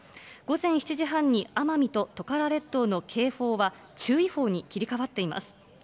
午前７時半に奄美とトカラ列島の警報は注意報に切り替わっています。